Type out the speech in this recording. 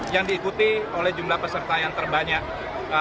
yang diikuti oleh jumlah peserta yang terbanyak